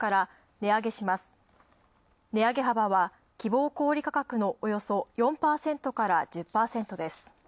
値上げ幅は希望小売価格のおよそ４％から１０％です。